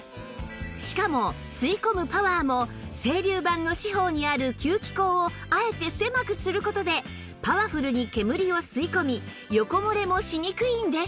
しかも吸い込むパワーも整流板の四方にある吸気口をあえて狭くする事でパワフルに煙を吸い込み横漏れもしにくいんです